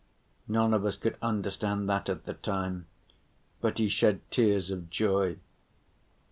None of us could understand that at the time, but he shed tears of joy.